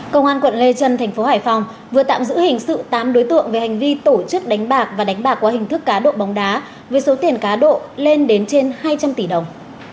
công an quận lê trân thành phố hải phòng vừa tạm giữ hình sự tám đối tượng về hành vi tổ chức đánh bạc và đánh bạc qua hình thức cá độ bóng đá với số tiền cá độ lên đến trên hai trăm linh tỷ đồng